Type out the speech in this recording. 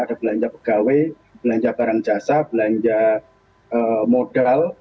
ada belanja pegawai belanja barang jasa belanja modal